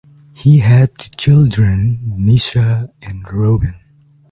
He had two children Nisha and Robin.